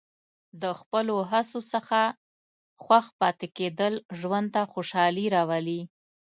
د خپلو هڅو څخه خوښ پاتې کېدل ژوند ته خوشحالي راوړي.